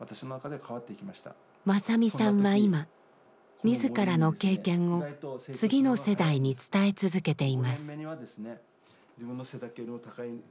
正実さんは今自らの経験を次の世代に伝え続けています。